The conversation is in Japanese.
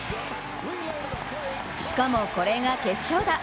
しかも、これが決勝打。